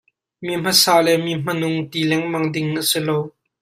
Mi hmasa le mi hmanung ti lengmang ding a si lo.